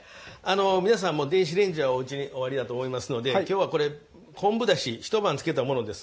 皆さんも電子レンジはおうちにおありだと思いますので今日はこれ昆布だし一晩、漬けたものです。